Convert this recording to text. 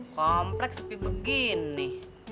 kompleks sepi begini